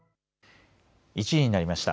１時になりました。